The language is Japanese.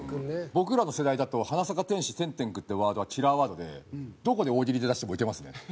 僕らの世代だと『花さか天使テンテンくん』ってワードはキラーワードでどこで大喜利で出してもウケますね。